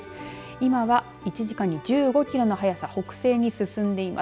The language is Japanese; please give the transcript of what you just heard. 今は１時間に１５キロの速さ北西に進んでいます。